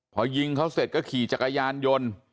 พอยิงเขาเสร็จก็ขี่จักรยานยนต์